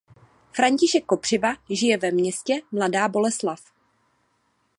František Kopřiva žije ve městě Mladá Boleslav.